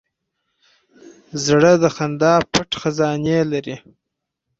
زړه د خندا پټ خزانې لري.